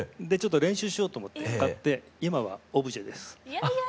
でちょっと練習しようと思って買って今はオブジェです。